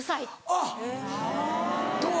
あっどう？